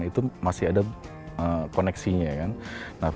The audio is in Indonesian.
itu masih ada koneksinya